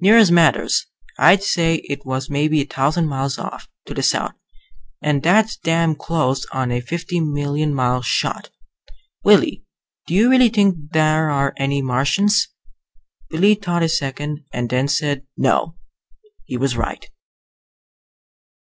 "Near as matters. I'd say it was maybe a thousand miles off, to the south. And that's damn close on a fifty million mile shot. Willie, do you really think there are any Martians?" Willie thought a second and then said, "No." He was right.